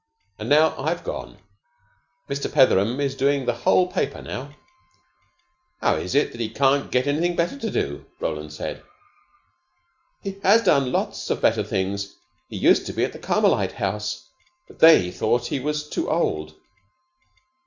And now I've gone. Mr. Petheram is doing the whole paper now." "How is it that he can't get anything better to do?" Roland said. "He has done lots of better things. He used to be at Carmelite House, but they thought he was too old."